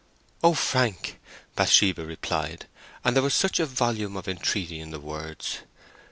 "Oh, Frank!" Bathsheba replied, and there was such a volume of entreaty in the words.